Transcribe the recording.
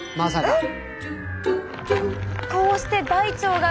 えっ！